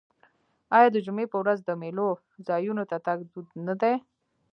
آیا د جمعې په ورځ د میلو ځایونو ته تګ دود نه دی؟